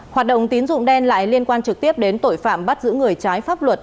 hoạt động tín dụng đen lại liên quan trực tiếp đến tội phạm bắt giữ người trái pháp luật